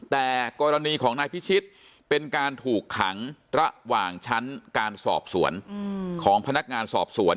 แต่กรณีของนายพิชิตเป็นการถูกขังระหว่างชั้นการสอบสวนของพนักงานสอบสวน